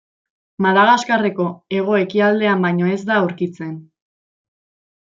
Madagaskarreko hego-ekialdean baino ez da aurkitzen.